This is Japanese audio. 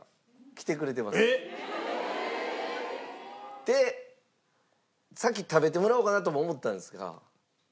えっ！？で先食べてもらおうかなとも思ったんですが。